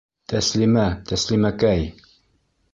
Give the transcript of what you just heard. Тәслимә, Тәслимәкәй!..